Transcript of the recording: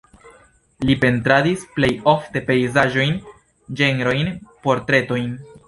Li pentradis plej ofte pejzaĝojn, ĝenrojn, portretojn.